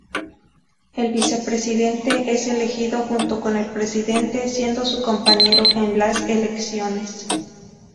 El Vicepresidente es elegido junto con el presidente, siendo su compañero en las elecciones.